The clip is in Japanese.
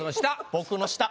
僕の下。